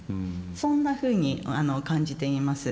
そんなふうに感じています。